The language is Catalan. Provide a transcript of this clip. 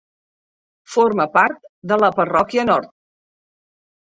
Forma part de la parròquia nord.